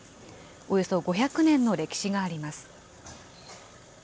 およそ５００年の歴史があります。